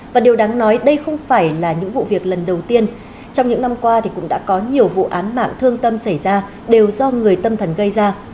và điều đáng nói đây không phải là những vụ việc lần đầu tiên trong những năm qua thì cũng đã có nhiều vụ án mạng thương tâm xảy ra đều do người tâm thần gây ra